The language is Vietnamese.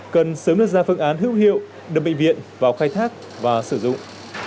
cần sớm đưa ra phương án hữu hiệu đưa bệnh viện vào khai thác và sử dụng